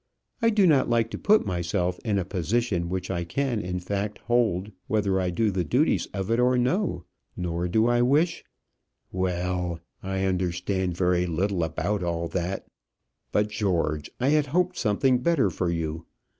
I do not like to put myself in a position which I can, in fact, hold whether I do the duties of it or no. Nor do I wish " "Well; I understand very little about all that; but, George, I had hoped something better for you.